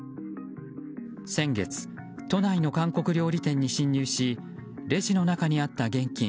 先月、都内の韓国料理店に侵入しレジの中にあった現金